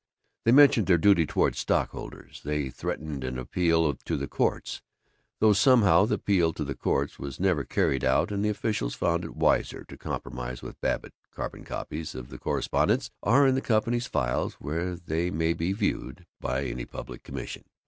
They mentioned their duty toward stockholders, they threatened an appeal to the courts, though somehow the appeal to the courts was never carried out and the officials found it wiser to compromise with Babbitt. Carbon copies of the correspondence are in the company's files, where they may be viewed by any public commission.